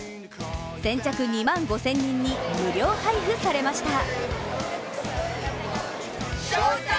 先着２万５０００人に無料配布されました。